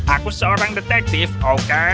aku seorang detektif oke